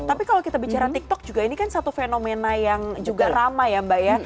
tapi kalau kita bicara tiktok juga ini kan satu fenomena yang juga ramai ya mbak ya